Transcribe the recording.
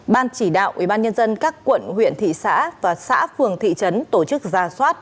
ban chỉ đạo ubnd các quận huyện thị xã và xã phường thị trấn tổ chức ra soát